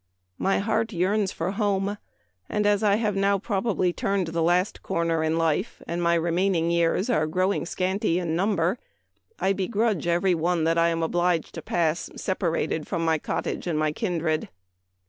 " My heart yearns for home, and as I have now probably Memoir of Washington Irving. 275 turned the last corner in life, and my remain ing years are growing scanty in number, I begrudge every one that I am obliged to pass separated from my cottage and my kindred."